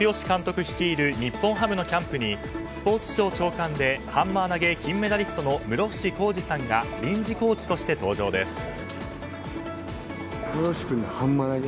監督率いる日本ハムのキャンプにスポーツ庁長官でハンマー投げ金メダリストの室伏広治さんが臨時コーチとして登場です。